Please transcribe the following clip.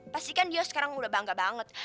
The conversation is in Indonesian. pastikan dia sekarang udah bangga banget